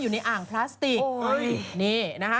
อยู่ในอ่างพลาสติก